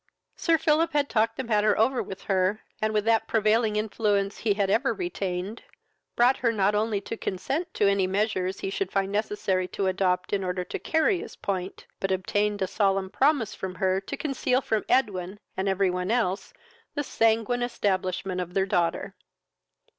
Sir Philip had talked the matter over with her, and, with that prevailing influence he had ever retained, brought her not only to consent to any measures he should find necessary to adopt in order to carry his point, but obtained a solemn promise from her to conceal from Edwin, and every one else, the sanguine establishment of their daughter.